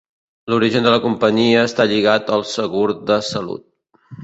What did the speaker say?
L'origen de la companyia està lligat al segur de salut.